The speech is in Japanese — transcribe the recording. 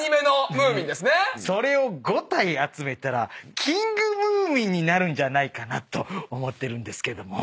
それを５体集めたらキングムーミンになるんじゃないかなと思ってるんですけども。